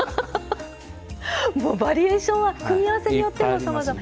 バリエーションは組み合わせだけでもさまざま。